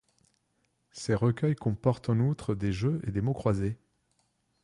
Ces recueils comportent en outre des jeux et des mots croisés.